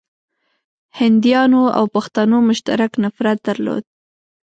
هنديانو او پښتنو مشترک نفرت درلود.